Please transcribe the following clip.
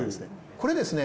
これですね